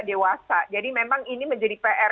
dewasa jadi memang ini menjadi pr